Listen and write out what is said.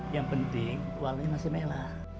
yang penting walenya masih melah